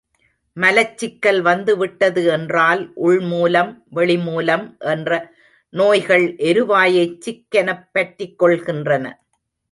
மலச்சிக்கல் வந்து விட்டது என்றால் உள் மூலம், வெளி மூலம் என்ற நோய்கள் எருவாயைச் சிக்கெனப் பற்றிக் கொள்ளுகின்றன.